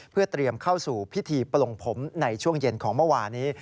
เพื่อเตรียมเข้าสู่พิธีปลงผมในช่วงเย็นของเมื่อวานี้